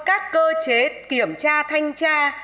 các cơ chế kiểm tra thanh tra